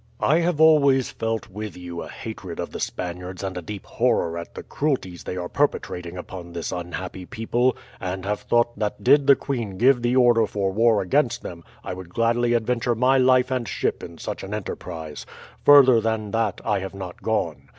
"I have always felt with you a hatred of the Spaniards and a deep horror at the cruelties they are perpetrating upon this unhappy people, and have thought that did the queen give the order for war against them I would gladly adventure my life and ship in such an enterprise; further than that I have not gone.